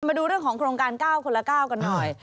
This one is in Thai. มาดูเรื่องของโครงการ๙คนละ๙กันหน่อย